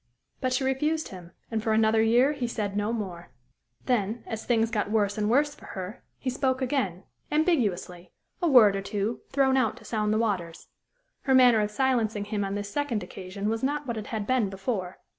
But she refused him, and for another year he said no more. Then, as things got worse and worse for her, he spoke again ambiguously a word or two, thrown out to sound the waters. Her manner of silencing him on this second occasion was not what it had been before.